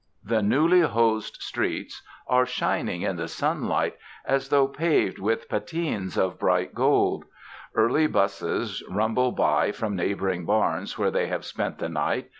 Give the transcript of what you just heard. The newly hosed streets are shining in the sunlight as though paved with "patines of bright gold." Early 'buses rumble by from neighboring barns where they have spent the night.